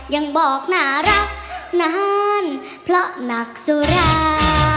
ยังบอกน่ารักนานเพราะหนักสุรา